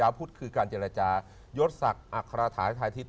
ดาวพุธคือการเจรจายศักดิ์อัครฐาให้ทายทิศ